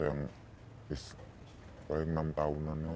yang paling kecil ada yang is paling enam tahunan ada